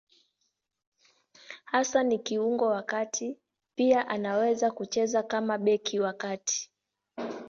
Hasa ni kiungo wa kati; pia anaweza kucheza kama beki wa kati.